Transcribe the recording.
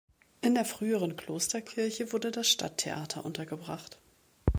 In der früheren Klosterkirche wurde das Stadttheater untergebracht.